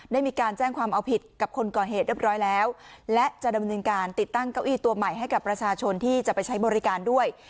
ได้มีการแจ้งความเอาผิดกับคนก่อเหตุเรียบร้อยแล้วและจะดำเนินการติดตั้งเก้าอี้ตัวใหม่ให้กับประชาชนที่จะไปใช้บริการด้วย